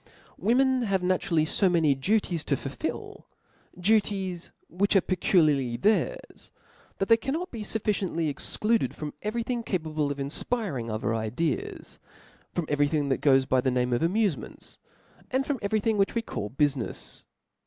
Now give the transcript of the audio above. Women have naturally fo many duties to fulfil^ fluties which are peculiarly theirs, that they can not be fufficiently excluded from every thing capa ble of infpiring other ideas ; from every thing that ^oes by the qameof amufementsj and frooi every thing which we call bufinefs.